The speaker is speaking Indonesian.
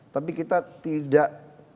tapi kita tidak